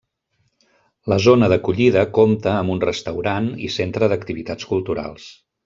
La zona d'acollida compta amb un restaurant i centre d'activitats culturals.